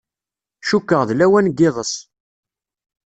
Cukkeɣ d lawan n yiḍes.